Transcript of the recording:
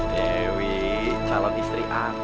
dewi calon istri akang